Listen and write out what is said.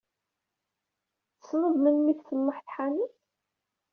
Tessned melmi tṣelleḥ taḥnut?